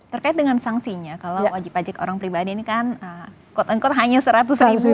terkait dengan sanksinya kalau wajib pajak orang pribadi ini kan quote unquote hanya seratus ribu